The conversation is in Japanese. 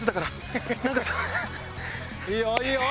いいよいいよ！